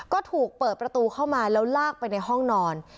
ก็ถูกเปิดประตูเข้ามาแล้วลากไปในห้องนอน